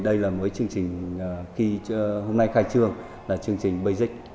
đây là mới chương trình khi hôm nay khai trương là chương trình basic